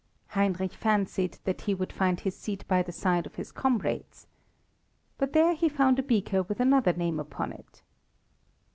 Heinrich fancied that he would find his seat by the side of his comrade's. But there he found a beaker with another name upon it.